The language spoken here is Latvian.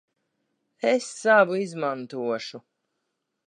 Es savu izmantošu.